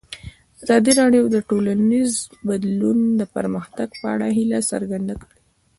ازادي راډیو د ټولنیز بدلون د پرمختګ په اړه هیله څرګنده کړې.